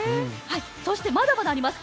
そして、まだまだあります